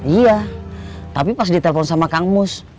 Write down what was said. iya tapi pas ditelepon sama kang mus